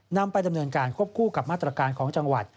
นำไปดำเนินการควบคู่กับมาตรการของจังหวัด